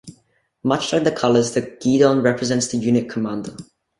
Much like the colors, the guidon represents the unit commander.